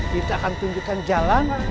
kita akan tunjukkan jalan